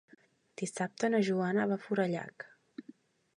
Dissabte na Joana va a Forallac.